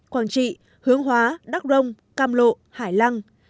quảng trị hướng hóa đắc rông cam lộ hải lăng